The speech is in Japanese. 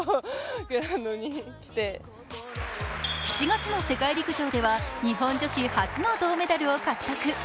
７月の世界陸上では、日本女子初の銅メダルを獲得。